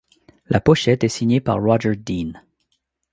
La pochette est signée par Roger Dean.